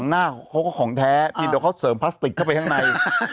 จนก็เค้าเสริมพลาสติกเข้าไปข้างใน